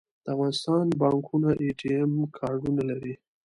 د افغانستان بانکونه اې ټي ایم کارډونه لري